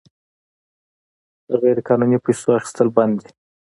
د غیرقانوني پیسو اخیستل بند دي؟